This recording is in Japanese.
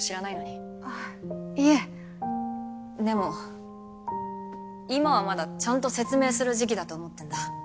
でも今はまだちゃんと説明する時期だと思ってんだ。